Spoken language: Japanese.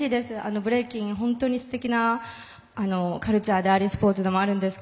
ブレイキン、本当にすてきなカルチャーでありスポーツでもあるんですが。